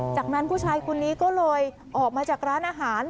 จากนั้นผู้ชายคนนี้ก็เลยออกมาจากร้านอาหาร